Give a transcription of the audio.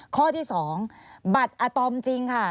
ข้อที่๒บัตรอาตอมจริงค่ะ